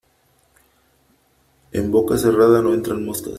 En boca cerrada no entran moscas.